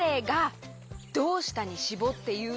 「どうした」にしぼっていうと？